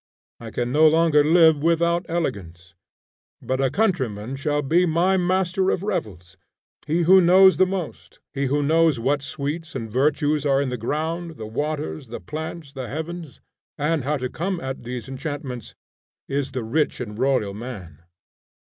I can no longer live without elegance, but a countryman shall be my master of revels. He who knows the most; he who knows what sweets and virtues are in the ground, the waters, the plants, the heavens, and how to come at these enchantments, is the rich and royal man.